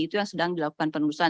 itu yang sedang dilakukan penelusuran